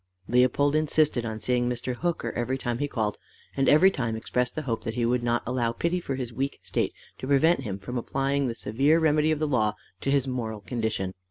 Leopold insisted on seeing Mr. Hooker every time he called, and every time expressed the hope that he would not allow pity for his weak state to prevent him from applying the severe remedy of the law to his moral condition.